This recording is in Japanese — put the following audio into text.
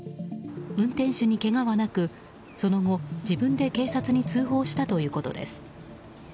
運転手に、けがはなくその後、自分で警察に通報したということです。